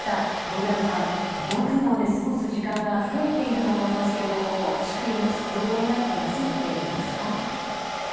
防空壕で過ごす時間が増えていると思いますがしっかり横になって休めていますか？